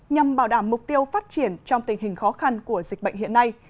nhằm bảo đảm mục tiêu phát triển trong tình hình khó khăn của dịch bệnh hiện nay